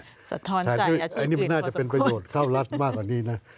สะท้อนใจอาชีพเดือนกว่าสมควรแต่อันนี้มันน่าจะเป็นประโยชน์เข้ารัฐมากกว่านี้นะ